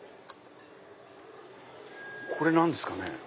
これ何ですかね？